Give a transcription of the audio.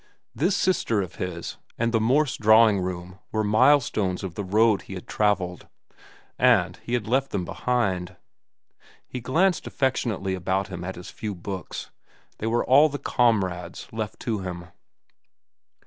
This sister of his and the Morse drawing room were milestones of the road he had travelled. And he had left them behind. He glanced affectionately about him at his few books. They were all the comrades left to him.